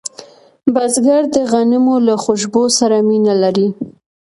بزګر د غنمو له خوشبو سره مینه لري